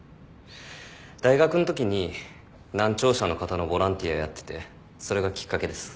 大学のときに難聴者の方のボランティアやっててそれがきっかけです。